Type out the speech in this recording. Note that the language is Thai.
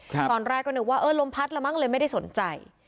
ตอนแรกก็นึกว่าเออลมพัดแล้วมั้งเลยไม่ได้สนใจ